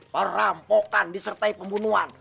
perampokan disertai pembunuhan